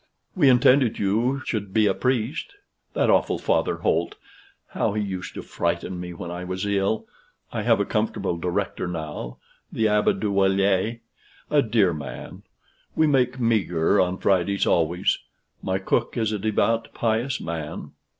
We intended you should be a priest. That awful Father Holt how he used to frighten me when I was ill! I have a comfortable director now the Abbe Douillette a dear man. We make meagre on Fridays always. My cook is a devout pious man.